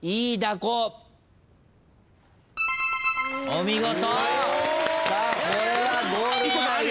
お見事！